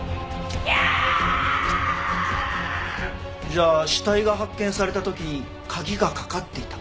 じゃあ死体が発見された時鍵がかかっていた。